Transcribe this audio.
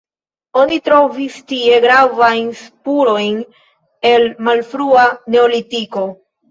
Oni trovis tie gravajn spurojn el malfrua neolitiko.